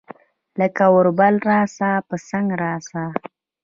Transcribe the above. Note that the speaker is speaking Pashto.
لکه اوربل راسه ، پۀ څنګ راسه